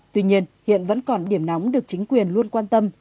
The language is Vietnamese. tuy nhiên hiện vẫn còn điểm nóng được chính quyền luôn quan tâm